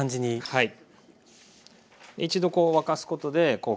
はい。